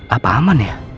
apa aman ya